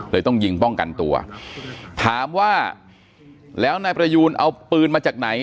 ต้องยิงป้องกันตัวถามว่าแล้วนายประยูนเอาปืนมาจากไหน